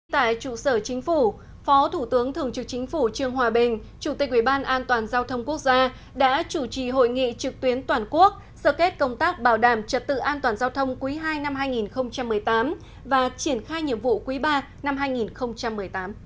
tại trụ sở chính phủ phó thủ tướng thường trực chính phủ trương hòa bình chủ tịch ủy ban an toàn giao thông quốc gia đã chủ trì hội nghị trực tuyến toàn quốc sở kết công tác bảo đảm trật tự an toàn giao thông quý ii năm hai nghìn một mươi tám và triển khai nhiệm vụ quý ba năm hai nghìn một mươi tám